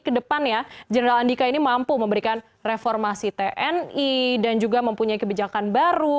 kedepannya general andika ini mampu memberikan reformasi tni dan juga mempunyai kebijakan baru